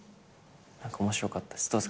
面白かったです。